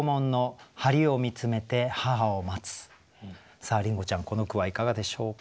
さありんごちゃんこの句はいかがでしょうか？